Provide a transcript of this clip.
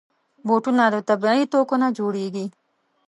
بوټونه د طبعي توکو نه جوړېږي.